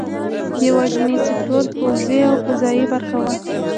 یوازینی سکتور پوځي او فضايي برخه وه.